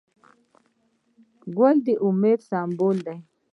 ګل د امید سمبول دی.